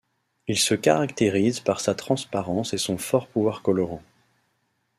Il se caractérise par sa transparence et son fort pouvoir colorant.